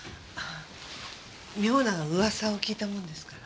妙な噂を聞いたものですから。